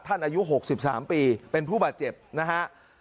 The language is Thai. อายุ๖๓ปีเป็นผู้บาดเจ็บนะฮะ